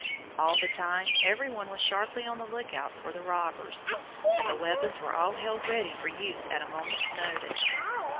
All the time, every one was sharply on the look out for robbers, and the weapons were all held ready for use at a moment's notice.